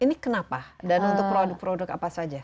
ini kenapa dan untuk produk produk apa saja